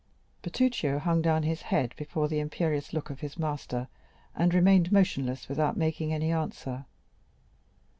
Bertuccio hung down his head before the imperious look of his master, and remained motionless, without making any answer.